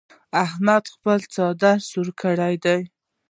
احمد خپل څادر سور کړ دی.